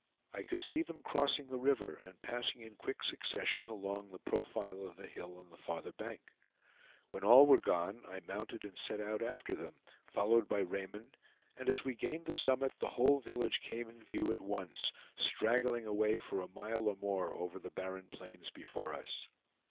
I could see them crossing the river, and passing in quick succession along the profile of the hill on the farther bank. When all were gone, I mounted and set out after them, followed by Raymond, and as we gained the summit, the whole village came in view at once, straggling away for a mile or more over the barren plains before us.